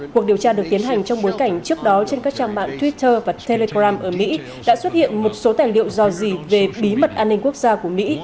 cuộc điều tra được tiến hành trong bối cảnh trước đó trên các trang mạng twitter và telegram ở mỹ đã xuất hiện một số tài liệu dò dỉ về bí mật an ninh quốc gia của mỹ